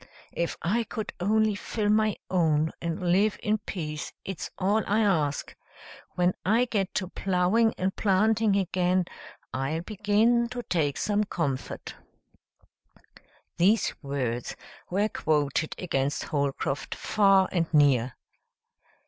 "If I could only fill my own and live in peace, it's all I ask. When I get to plowing and planting again I'll begin to take some comfort." These words were quoted against Holcroft, far and near.